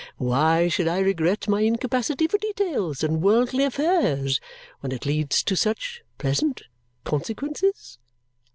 Why should I regret my incapacity for details and worldly affairs when it leads to such pleasant consequences?